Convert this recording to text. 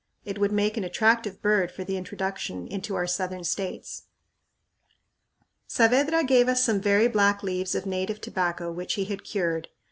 It would make an attractive bird for introduction into our Southern States. Saavedra gave us some very black leaves of native tobacco, which he had cured.